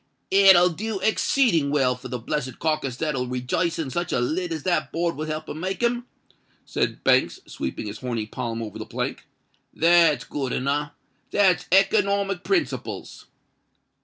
"It will do exceeding well for the blessed carkiss that'll rejice in such a lid as that board will help to make him," said Banks, sweeping his horny palm over the plank. "That's good enow—that's economic principles."